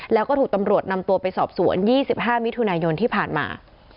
แล้วก็ถูกตำรวจนำตัวไปสอบสวน๒๕มิถุนายนที่ผ่านมา